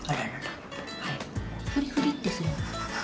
フリフリッてするの。